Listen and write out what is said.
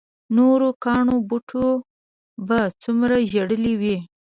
نورو کاڼو بوټو به څومره ژړلي وي.